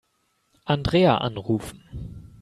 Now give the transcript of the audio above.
Andrea anrufen.